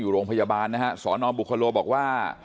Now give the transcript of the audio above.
โรงพยาบาลศอบุคลวบอกว่า